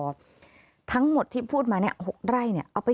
ฟังเสียงลูกจ้างรัฐตรเนธค่ะ